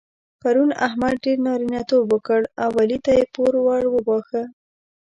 پرون احمد ډېر نارینتوب وکړ او علي ته يې پور ور وباښه.